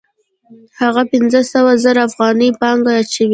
هغه پنځه سوه زره افغانۍ پانګه اچوي